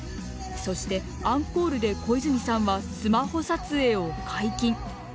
そしてアンコールで小泉さんはスマホ撮影を解禁。